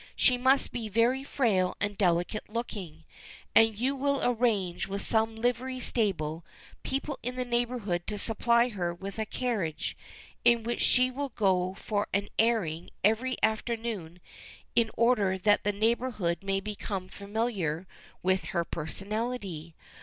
She must be very frail and delicate looking, and you will arrange with some livery stable people in the neighborhood to supply her with a carriage, in which she will go for an airing every afternoon in order that the neighborhood may become familiar with her personality.